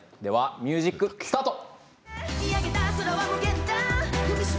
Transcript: ミュージックスタート！